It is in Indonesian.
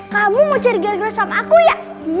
kamu mau cari garis sama aku ya